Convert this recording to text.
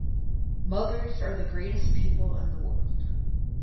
Mothers are the greatest people in the world.